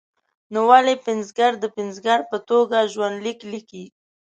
نو ولې پنځګر د پنځګر په توګه ژوند لیک لیکي.